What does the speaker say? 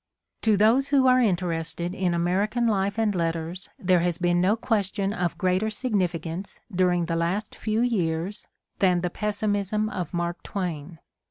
TO those who are interested in American life and letters there has been no question of greater signifi cance, during the last few years, than the pessimism of Mark Twain.